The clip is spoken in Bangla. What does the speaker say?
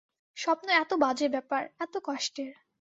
স্বপ্ন এত বাজে ব্যাপার, এত কষ্টের!